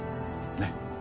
ねっ！